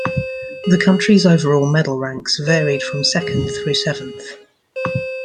The country's overall medal ranks varied from second through seventh.